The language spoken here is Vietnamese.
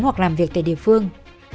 hoặc làm việc tại địa phương